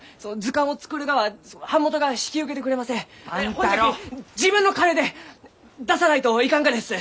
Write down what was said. ほんじゃき自分の金で出さないといかんがです！